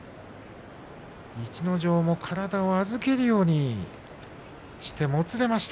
逸ノ城も体を預けるようにしてもつれました。